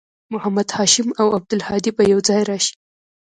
محمد هاشم او عبدالهادي به یوځای راشي